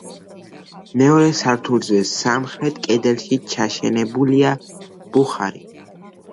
მეორე სართულზე, სამხრეთ კედელში ჩაშენებულია ბუხარი.